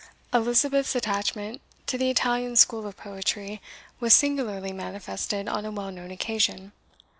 Elizabeth's attachment to the Italian school of poetry was singularly manifested on a well known occasion.